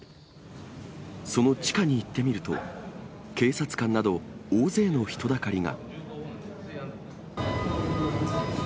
その地下に行ってみると、警察官など大勢の人だかりが。